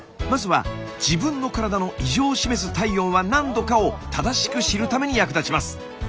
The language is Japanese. まずは自分の体の異常を示す体温は何度かを正しく知るために役立ちます！